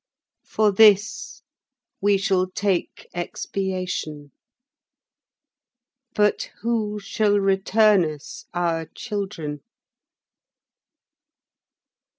For this we shall take expiation. But who shall return us our children?